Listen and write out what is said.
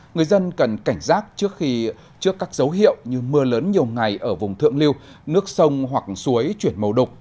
người dân cần cảnh giác trước khi trước các dấu hiệu như mưa lớn nhiều ngày ở vùng thượng lưu nước sông hoặc suối chuyển màu đục